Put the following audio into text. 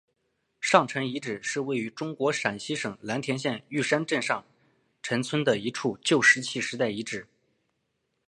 上陈遗址是位于中国陕西省蓝田县玉山镇上陈村的一处旧石器时代遗址。